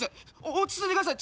落ち着いてください